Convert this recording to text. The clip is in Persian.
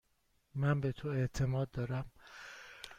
من به تو اعتماد دارم.